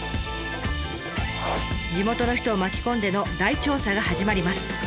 地元の人を巻き込んでの大調査が始まります。